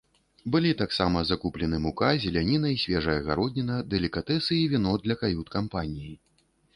Былі таксама закуплены мука, зеляніна і свежая гародніна, далікатэсы і віно для кают-кампаніі.